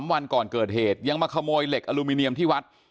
วันก่อนเกิดเหตุยังมาขโมยเหล็กอลูมิเนียมที่วัด